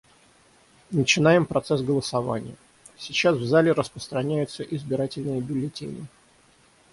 Начинаем процесс голосования; сейчас в зале распространяются избирательные бюллетени.